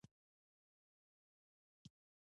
مچان له ګرمۍ سره خوشحال وي